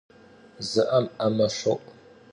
Ze'em 'eme şou.